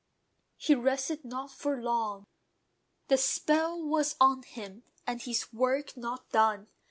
He rested not for long: The spell was on him, and his work not done.